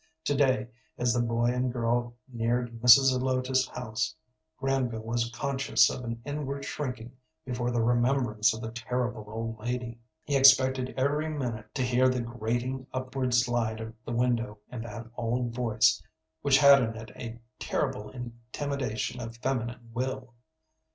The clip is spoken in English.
To day, as the boy and girl neared Mrs. Zelotes's house, Granville was conscious of an inward shrinking before the remembrance of the terrible old lady. He expected every minute to hear the grating upward slide of the window and that old voice, which had in it a terrible intimidation of feminine will.